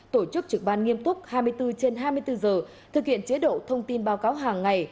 tổ chức trực ban nghiêm túc hai mươi bốn trên hai mươi bốn giờ thực hiện chế độ thông tin báo cáo hàng ngày